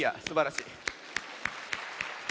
すばらしい。